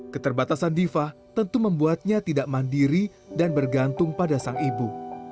keterbatasan diva tentu membuatnya tidak mandiri dan bergantung pada sang ibu